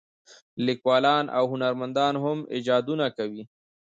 لیکوالان او هنرمندان هم ایجادونه کوي.